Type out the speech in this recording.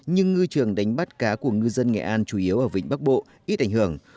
nhưng ngư trường đánh bắt cá của ngư dân nghệ an chủ yếu ở vịnh bắc bộ ít ảnh hưởng